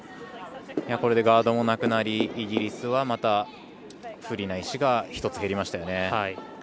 これでガードもなくなりイギリスはまた、不利な石が１つ減りました。